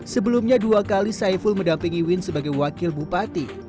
sebelumnya dua kali saiful mendampingi win sebagai wakil bupati